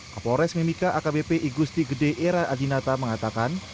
kapolres mimika akbp igusti gede era adinata mengatakan